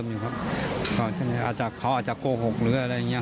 มันจะเอาน้องไปไว้ตรงฝั่ง